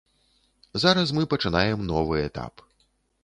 Зараз мы пачынаем новы этап.